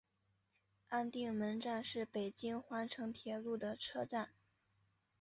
安定门站是北京环城铁路的车站。